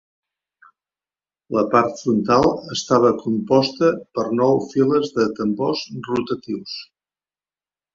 La part frontal estava composta per nou files de tambors rotatius.